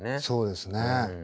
そうですね。